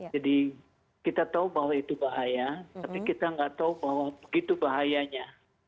jadi kita tahu bahwa itu bahaya tapi kita nggak tahu bahwa begitu bahayanya